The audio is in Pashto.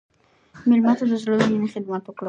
مېلمه ته د زړه له میني خدمت وکړه.